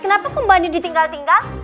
kenapa kok kembali ditinggal tinggal